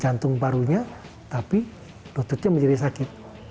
jantung parunya tapi lututnya menjadi sakit